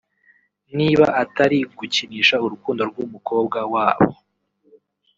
niba atari gukinisha urukundo rw’umukobwa wabo